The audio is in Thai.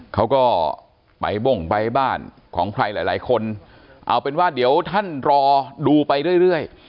เขาก็ไปบ้งไปบ้านของใครหลายคนเอาเป็นว่าเดี๋ยวท่านรอดูไปเรื่อย